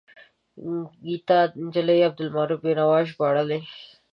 ګیتا نجلي عبدالرؤف بینوا ژباړلی.